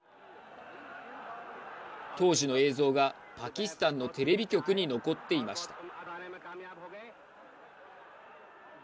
当時の映像が、パキスタンのテレビ局に残っていました。